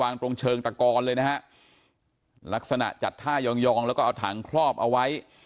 ตรงเชิงตะกอนเลยนะฮะลักษณะจัดท่ายองยองแล้วก็เอาถังคลอบเอาไว้